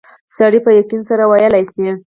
سړی په یقین سره ویلای شي.